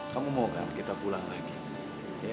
kamu mau kan kita pulang lagi